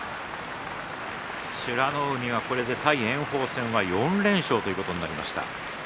美ノ海は、これで対炎鵬戦は４連勝ということになりました。